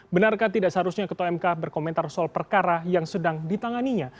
benarkah tidak seharusnya ketua mk berkomentar soal perkara yang sedang ditanganinya